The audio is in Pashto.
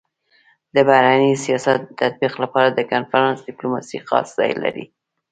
د بهرني سیاست د تطبيق لپاره د کنفرانس ډيپلوماسي خاص ځای لري.